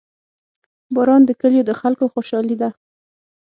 • باران د کلیو د خلکو خوشحالي ده.